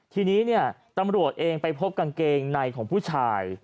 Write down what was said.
ทีนี้เนี่ยตำรวจเองไปพบกางเกงในของผู้ชาย